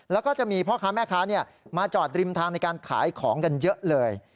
แล้วก็จะมีพ่อค้าแม่ค้ามาจอดริมทางในการขายของกันเยอะเลย